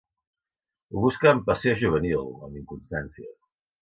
Ho busca amb passió juvenil, amb inconstància.